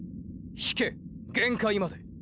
引け限界まで！